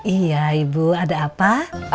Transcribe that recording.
iya ibu ada apa